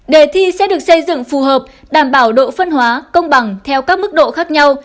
đề thi sẽ được xây dựng phù hợp đảm bảo độ phân hóa công bằng theo các mức độ khác nhau